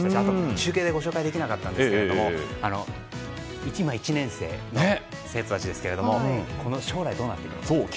中継でご紹介できなかったんですけど１年生の生徒たちですけどこの将来、どうなっていくのか。